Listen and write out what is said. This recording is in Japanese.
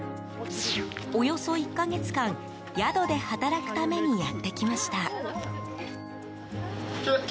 およそ１か月間宿で働くためにやってきました。